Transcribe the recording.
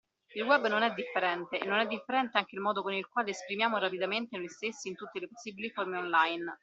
Il web non è differente e non è differente anche il modo con il quale esprimiamo rapidamente noi stessi in tutte le possibili forme online.